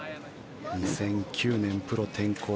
２００９年プロ転向